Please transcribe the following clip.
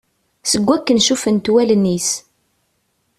Seg wakken cufent wallen-is.